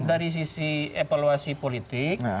dari sisi evaluasi politik